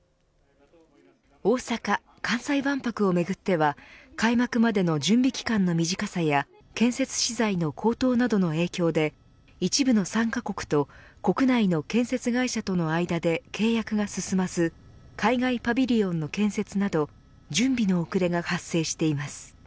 大阪・関西万博をめぐっては開幕までの準備期間の短さや建設資材の高騰などの影響で一部の参加国と国内の建設会社との間で契約が進まず海外パビリオンの建設など準備の遅れが発生しています。